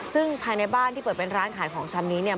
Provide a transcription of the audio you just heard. ซึ่งภายในบ้านที่เปิดเป็นร้านขายของชำนี้เนี่ย